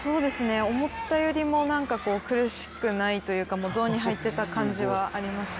思ったよりも苦しくないというかゾーンに入っていた感じはありました。